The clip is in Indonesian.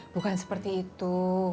bukan seperti itu